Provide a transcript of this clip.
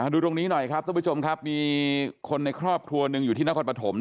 ดูตรงนี้หน่อยครับท่านผู้ชมครับมีคนในครอบครัวหนึ่งอยู่ที่นครปฐม